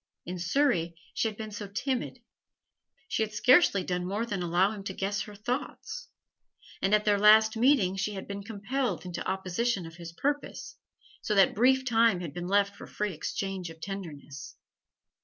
In Surrey she had been so timid; she had scarcely done more than allow him to guess her thoughts; and at their last meeting she had been compelled into opposition of his purpose, so that brief time had been left for free exchange of tenderness.